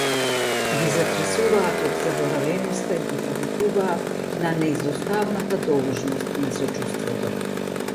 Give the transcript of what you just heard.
Ги затресуваат од заборавеноста и ги повикуваат на неизоставната должност на сочувството.